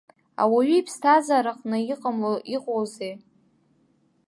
Ауаҩы иԥсҭазаараҟны иҟамло иҟоузеи.